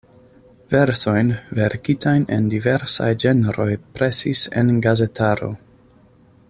Versojn, verkitajn en diversaj ĝenroj presis en gazetaro.